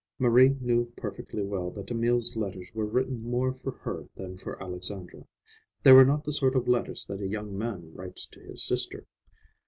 Marie knew perfectly well that Emil's letters were written more for her than for Alexandra. They were not the sort of letters that a young man writes to his sister.